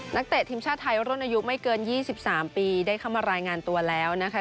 เตะทีมชาติไทยรุ่นอายุไม่เกิน๒๓ปีได้เข้ามารายงานตัวแล้วนะคะ